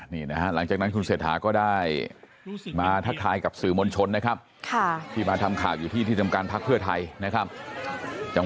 นายหนึ่งในแค่นดิเดตนายกราศมนตรีของภาคเพื้อไทย